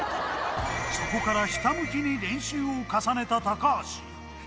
そこからひたむきに練習を重ねた高橋。